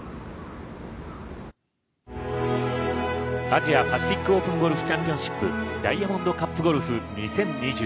アジアパシフィックオープンゴルフチャンピオンシップダイヤモンドカップゴルフ２０２２。